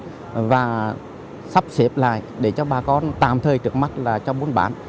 sát gạt và sắp xếp lại để cho bà con tạm thời trước mắt cho bốn bán